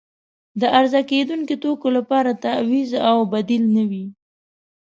د عرضه کیدونکې توکي لپاره تعویض او بدیل نه وي.